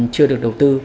chưa được đầu tư